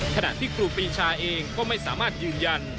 ขณะที่ครูปีชาเองก็ไม่สามารถยืนยัน